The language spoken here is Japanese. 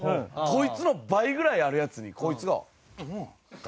こいつの倍ぐらいあるヤツにこいつが「んっ！」